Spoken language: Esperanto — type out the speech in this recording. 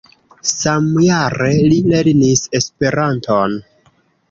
Samjare li lernis Esperanton.